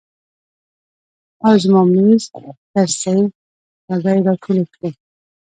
او زما میز، کرسۍ ته به ئې راټولې کړې ـ